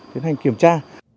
tiến hành kiểm tra